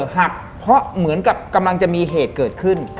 หักเพราะเหมือนกับกำลังจะมีเหตุเกิดขึ้น